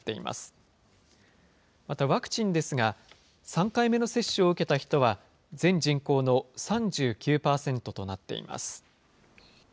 また、ワクチンですが、３回目の接種を受けた人は、全人口の３９％となっています。